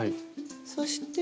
そして。